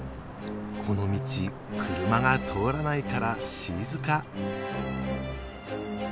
この道車が通らないから静か。